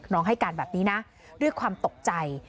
ให้การแบบนี้นะด้วยความตกใจ